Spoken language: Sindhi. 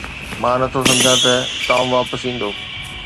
مان نه ٿو سمجهان ته ٽام واپس ايندو.